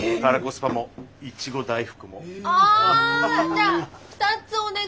じゃあ２つお願いします。